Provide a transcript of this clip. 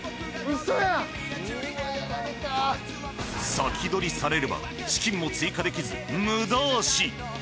先取りされれば資金も追加できず無駄足。